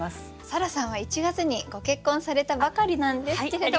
沙羅さんは１月にご結婚されたばかりなんですけれども。